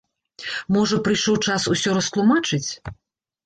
Можа, прыйшоў час усё растлумачыць?